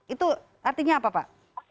itu artinya apa pak